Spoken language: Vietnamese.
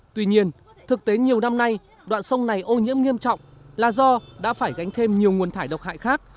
tuy nhiên thực tế nhiều năm nay đoạn sông này ô nhiễm nghiêm trọng là do đã phải gánh thêm nhiều nguồn thải độc hại khác